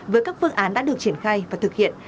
với các phương án đã được triển khai và thực hiện